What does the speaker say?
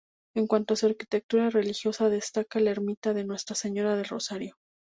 En cuanto a su arquitectura religiosa, destaca la ermita de Nuestra Señora del Rosario.